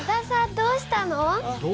どうした？